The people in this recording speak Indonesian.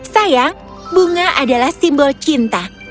sayang bunga adalah simbol cinta